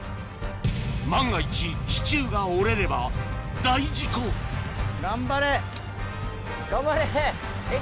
万が一支柱が折れれば大事故頑張れ！